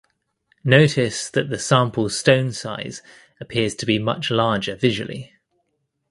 Notice that the sample’s stone size appears to be much larger visually.